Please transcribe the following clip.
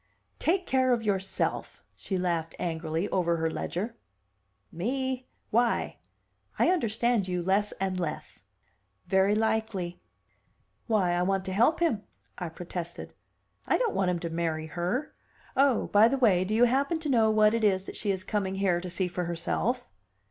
"Take care of yourself!" she laughed angrily over her ledger. "Me? Why? I understand you less and less!" "Very likely." "Why, I want to help him!" I protested. "I don't want him to marry her. Oh, by the way do you happen to know what it is that she is coming here to see for herself?"